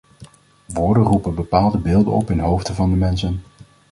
Woorden roepen bepaalde beelden op in de hoofden van de mensen.